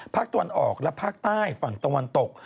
ตะวันออกและภาคใต้ฝั่งตะวันตก